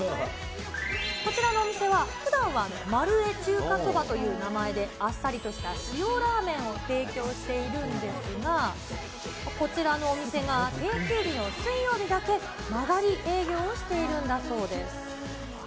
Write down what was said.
こちらのお店は、ふだんはまるえ中華そばという名前で、あっさりとした塩ラーメンを提供しているんですが、こちらのお店が定休日の水曜日だけ、間借り営業をしているんだそうです。